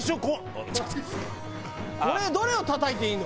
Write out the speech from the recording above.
これどれをたたいていいの？